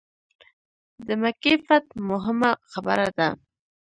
د مکې فتح موهمه خبره ده.